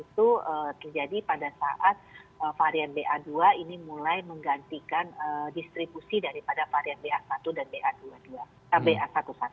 itu terjadi pada saat varian ba dua ini mulai menggantikan distribusi daripada varian ba satu dan ba satu